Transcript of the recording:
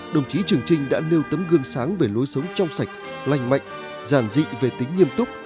đồng chí trường trinh đã nêu tấm gương sáng về lối sống trong sạch lành mạnh giản dị về tính nghiêm túc